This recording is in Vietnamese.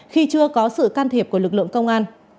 khi chưa có sự can thiệp của lực lượng công an